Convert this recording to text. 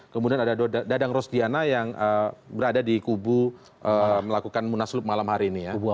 kemudian ada dadang rosdiana yang berada di kubu melakukan munaslup malam hari ini ya